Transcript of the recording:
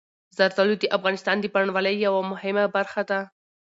زردالو د افغانستان د بڼوالۍ یوه مهمه برخه ده.